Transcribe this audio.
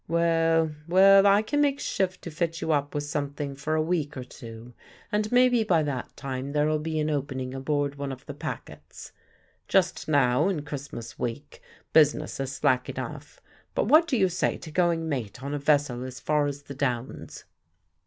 Well, well, I can make shift to fit you up with something for a week or two, and maybe by that time there'll be an opening aboard one of the Packets. Just now, in Christmas week, business is slack enough, but what do you say to going mate on a vessel as far as the Downs?"